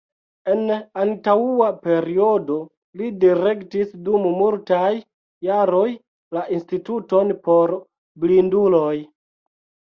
En antaŭa periodo li direktis dum multaj jaroj la Instituton por Blinduloj.